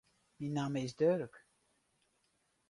Myn namme is Durk.